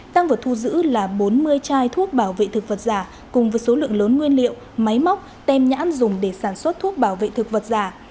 tăng vật thu giữ là bốn mươi chai thuốc bảo vệ thực vật giả cùng với số lượng lớn nguyên liệu máy móc tem nhãn dùng để sản xuất thuốc bảo vệ thực vật giả